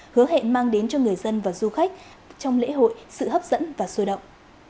hứa hẹn mang đến cho người dân và du khách trong lễ hội sự hấp dẫn và sôi động